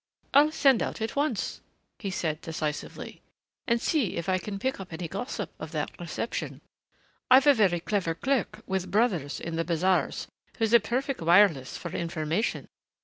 "I'll send out at once," he said decisively, "and see if I can pick up any gossip of that reception. I've a very clever clerk with brothers in the bazaars who is a perfect wireless for information.